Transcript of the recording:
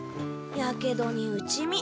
やけどに打ち身。